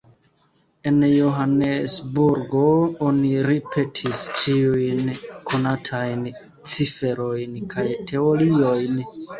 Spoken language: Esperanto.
En Johanesburgo oni ripetis ĉiujn konatajn ciferojn kaj teoriojn.